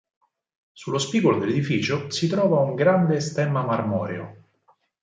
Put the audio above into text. Sullo spigolo dell'edificio si trova un grande stemma marmoreo.